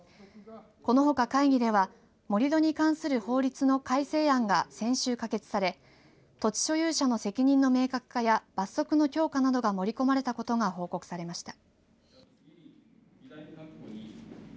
このほか会議では盛り土に関する法律の改正案が先週、可決され土地所有者の責任の明確化や罰則の強化などが盛り込まれたことが報告されました。